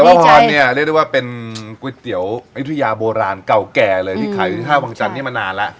อ้าวกุ้ยเตี๋ยวอฮอลล์เนี่ยเรียกได้ว่าเป็นกุ้ยเตี๋ยวอฮี่ทุยาโบราณเก่าแก่เลยที่ขายด้วยถ้าผ้าฮังจันทร์เนี่ยมานานแล้ว